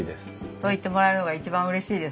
そう言ってもらえるのが一番うれしいです。